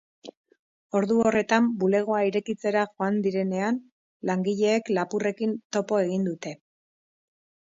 Ordu horretan, bulegoa irekitzera joan direnean, langileek lapurrekin topo egin dute.